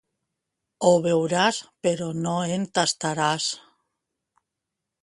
Ho veuràs, però no en tastaràs.